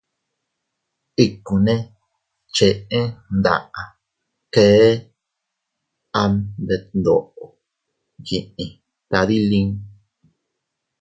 Ikkune cheʼe mdaʼa, kee am detndoʼo yiʼi tadilin.